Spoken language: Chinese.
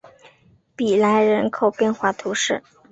比莱人口变化图示